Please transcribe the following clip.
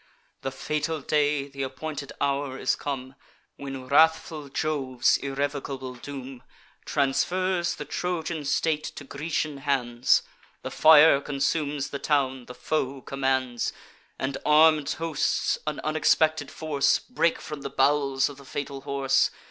The fatal day, th' appointed hour, is come, When wrathful Jove's irrevocable doom Transfers the Trojan state to Grecian hands. The fire consumes the town, the foe commands; And armed hosts, an unexpected force, Break from the bowels of the fatal horse.